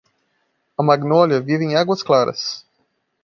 A Magnólia vive em Águas Claras.